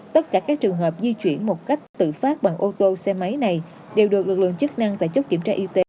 tất cả các trường hợp di chuyển một cách tự phát bằng ô tô xe máy này đều được lực lượng chức năng tại chốt kiểm tra y tế